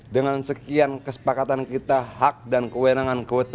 dengan sekian kesepakatan kita hak dan kewenangan kota